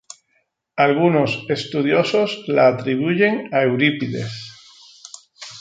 Algunos estudiosos la atribuyen a Eurípides.